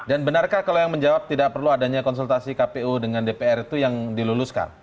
dan benarkah kalau yang menjawab tidak perlu adanya konsultasi kpu dengan dpr itu yang diluluskan